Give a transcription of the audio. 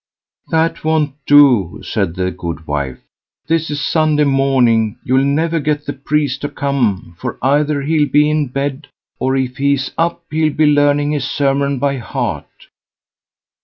"That won't do", said the goodwife, "this is Sunday morning, you'll never get the priest to come; for either he'll be in bed; or if he's up, he'll be learning his sermon by heart."